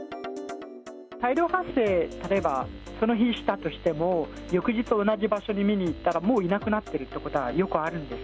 大量発生、例えばその日したとしても、翌日、同じ場所に見に行ったら、もういなくなってるってことはよくあるんです。